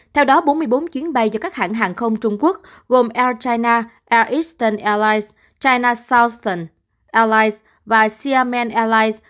theo đó bốn mươi bốn chuyến bay do các hãng hàng không trung quốc gồm air china air eastern airlines china southern airlines và xiamen airlines